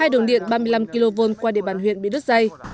hai đường điện ba mươi năm kv qua địa bàn huyện bị đứt dây